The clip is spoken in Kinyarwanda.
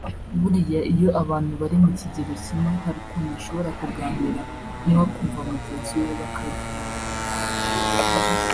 buriya iyo abantu bari mu kigero kimwe hari ukuntu bashobora kuganira umwe akumva mugenzi we bakagirana inama